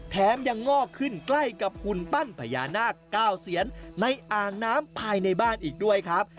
แถมยังงอกขึ้นใกล้กับหุ่นปั้นพญานาคเก้าเซียนในอ่างน้ำภายในบ้านอีกด้วยครับ